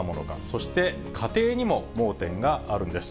そして家庭にも盲点があるんです。